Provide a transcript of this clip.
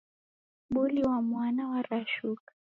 Buli wa mwana warashuka